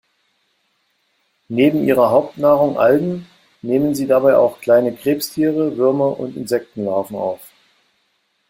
Neben ihrer Hauptnahrung Algen, nehmen sie dabei auch kleine Krebstiere, Würmer und Insektenlarven auf.